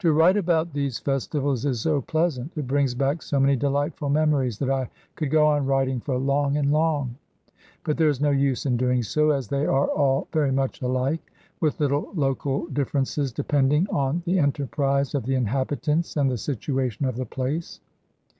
To write about these festivals is so pleasant, it brings back so many delightful memories, that I could go on writing for long and long. But there is no use in doing so, as they are all very much alike, with little local differences depending on the enterprise of the inhabitants and the situation of the place.